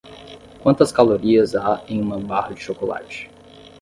Quantas calorias há em uma barra de chocolate?